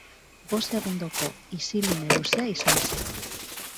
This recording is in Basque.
Bost segundoko isilune luzea izan zen.